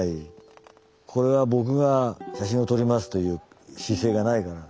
これは僕が写真を撮りますという姿勢がないから。